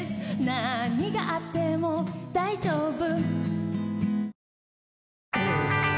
「何があっても大丈夫」